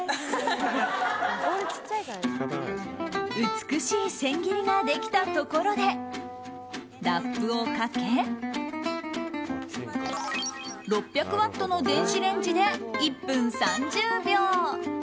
美しい千切りができたところでラップをかけ６００ワットの電子レンジで１分３０秒。